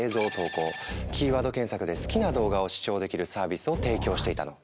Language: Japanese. キーワード検索で好きな動画を視聴できるサービスを提供していたの。